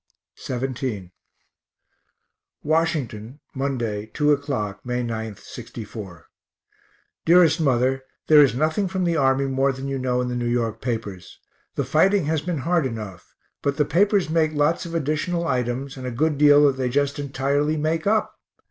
XVII Washington, Monday, 2 o'clock May 9, '64. DEAREST MOTHER There is nothing from the army more than you know in the N. Y. papers. The fighting has been hard enough, but the papers make lots of additional items, and a good deal that they just entirely make up.